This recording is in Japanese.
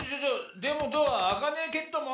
でもドアあかねえけっども。